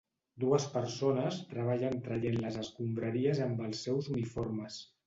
Dues persones treballen traient les escombraries amb els seus uniformes.